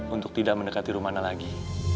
untuk tidak mendekati rumahnya lagi